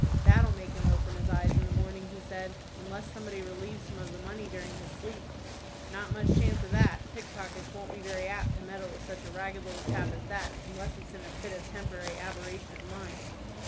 "That'll make him open his eyes in the morning," he said. "Unless somebody relieves him of the money during his sleep." "Not much chance of that. Pickpockets won't be very apt to meddle with such a ragged little chap as that, unless it's in a fit of temporary aberration of mind."